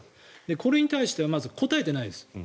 これに対してはまず答えてないです。